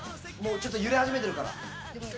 ちょっと揺れ始めてるから。